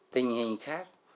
tình hình khác